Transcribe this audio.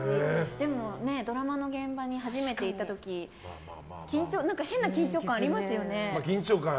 でも、ドラマの現場に初めて行った時に変な緊張感ありますよね。